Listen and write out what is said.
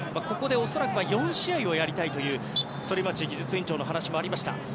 ここで恐らくは４試合をやりたいという反町技術委員長の話もありました。